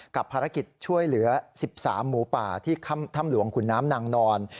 กับภารกิจช่วยเหลือ๑๓หมูป่าที่ถ้ำหลวงขุนน้ำนางนอน